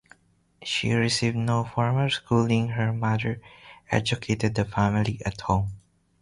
She received no formal schooling: her mother educated the family at home.